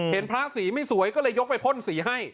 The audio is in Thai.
พระสีไม่สวยก็เลยยกไปพ่นสีให้